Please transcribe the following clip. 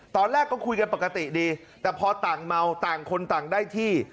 ตอนแรกก็คุยกันปกติดีแต่พอต่างเมาต่างคนต่างได้ที่